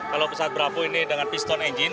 kalau pesawat bravo ini dengan pistone engine